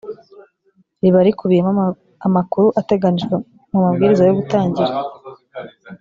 ribarikubiyemo amakuru ateganijwe mu mabwiriza yo gutangira